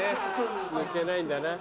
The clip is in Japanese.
抜けないんだな。